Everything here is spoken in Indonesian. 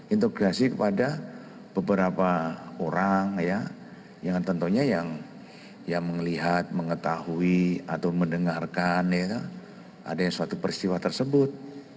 integrasi kepada beberapa orang yang tentunya yang melihat mengetahui atau mendengarkan adanya suatu peristiwa tersebut